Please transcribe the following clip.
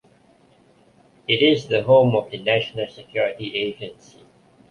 It is the home of the National Security Agency.